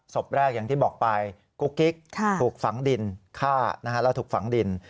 ศพแรกอย่างที่บอกไปกุ๊กกิ๊กถูกฝังดินฆ่าแล้วถูกฝังดิน